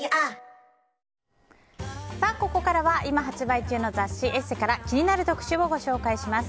ここからは、今発売中の雑誌「ＥＳＳＥ」から気になる特集をご紹介します。